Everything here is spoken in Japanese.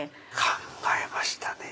考えましたね！